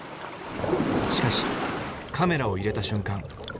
しかしカメラを入れた瞬間